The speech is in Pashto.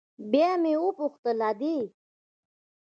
بيا مې وپوښتل ادې.